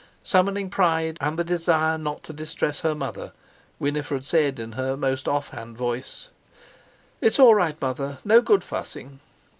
Summoning pride and the desire not to distress her mother, Winifred said in her most off hand voice: "It's all right, Mother; no good fussing."